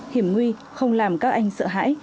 hiểm nguy không làm các anh sợ hãi